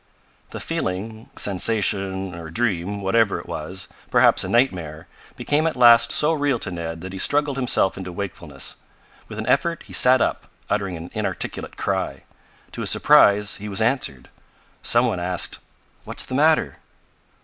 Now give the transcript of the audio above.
The feeling, sensation or dream whatever it was perhaps a nightmare became at last so real to Ned that he struggled himself into wakefulness. With an effort he sat up, uttering an inarticulate cry. To his surprise he was answered. Some one asked: "What is the matter?"